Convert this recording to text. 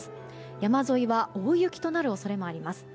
山沿いは大雪となる恐れもあります。